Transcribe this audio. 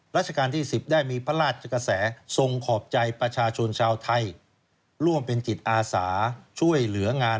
รัชกาลที่๑๐ได้มีพระราชกระแส